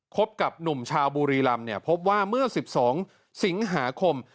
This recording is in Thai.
กับหนุ่มชาวบุรีรำเนี่ยพบว่าเมื่อ๑๒สิงหาคม